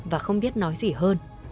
và không biết nói gì hơn